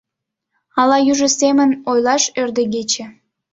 Ала южо семын ойлаш ӧрдегече: